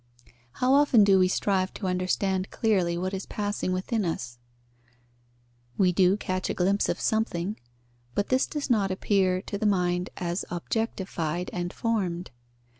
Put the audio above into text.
How often do we strive to understand clearly what is passing within us? We do catch a glimpse of something, but this does not appear to the mind as objectified and formed.